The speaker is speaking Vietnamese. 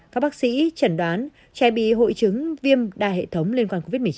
các bác sĩ chẩn đoán trẻ bị hội chứng viêm đa hệ thống liên quan covid một mươi chín